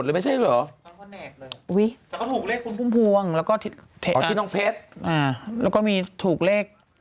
แล้วก็ที่น้องเพชรแล้วก็มีถูกเลข